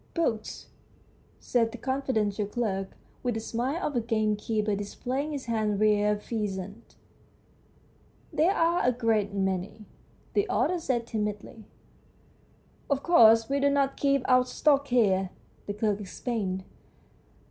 " Books !" said the confi dential clerk, with the smile of a gamekeeper displaying his hand reared pheasants. " There are a great many," the author said timidly. " Of course, we do not keep our stock here," the clerk explained.